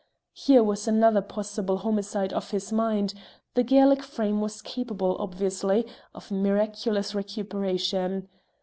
Here was another possible homicide off his mind; the Gaelic frame was capable, obviously, of miraculous recuperation.